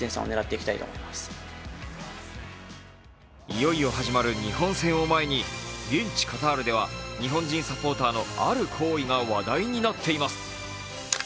いよいよ始まる日本戦を前に、現地カタールでは日本人サポーターのある行為が話題になっています。